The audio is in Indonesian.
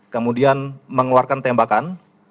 kemudian mengeluarkan tembakan